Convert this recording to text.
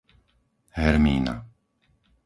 Hermína